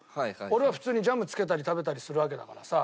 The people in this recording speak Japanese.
俺は普通にジャムつけたり食べたりするわけだからさ。